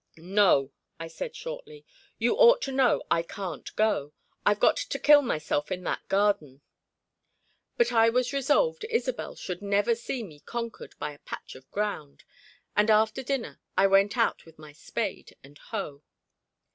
"No!" I said shortly. "You ought to know I can't go. I've got to kill myself in that garden!" But I was resolved Isobel should never see me conquered by a patch of ground, and after dinner I went out with my spade and hoe.